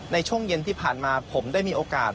ในช่วงเย็นที่ผ่านมาผมได้มีโอกาส